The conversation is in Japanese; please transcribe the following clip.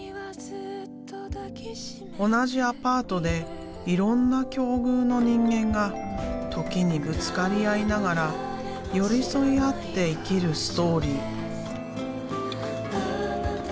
同じアパートでいろんな境遇の人間が時にぶつかり合いながら寄り添い合って生きるストーリー。